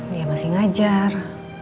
dia masih ngajar